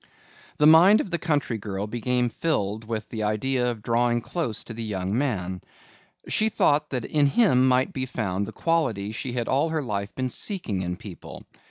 The mind of the country girl became filled with the idea of drawing close to the young man. She thought that in him might be found the quality she had all her life been seeking in people.